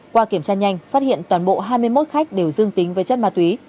qua kiểm tra nhanh phát hiện toàn bộ hai mươi một khách đều dương tính với chất ma túy